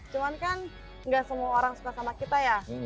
cuman kan nggak semua orang suka sama kita ya